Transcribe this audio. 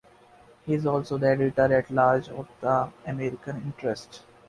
He is also the Editor-at-Large of "The American Interest".